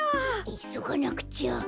いそがなくちゃ。